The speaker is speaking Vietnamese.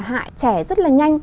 hại trẻ rất là nhanh